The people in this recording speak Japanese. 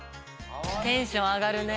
テンションあがるね。